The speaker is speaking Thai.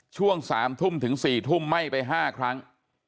ช่วงสามทุ่มถึงสี่ทุ่มไหม้ไปห้าครั้ง